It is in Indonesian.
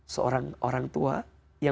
seorang orang tua